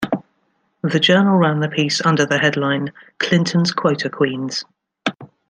The Journal ran the piece under the headline Clinton's Quota Queens.